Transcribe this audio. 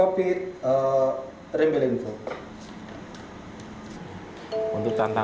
ambilan dari lawan